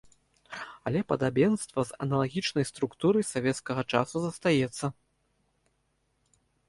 Але падабенства з аналагічнай структурай савецкага часу застаецца.